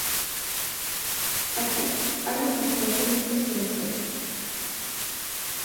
Aquests han estat fortament desforestats.